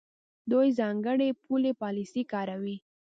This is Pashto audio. دوی ځانګړې پولي پالیسۍ کاروي.